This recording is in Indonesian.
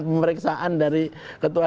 pemeriksaan dari ketua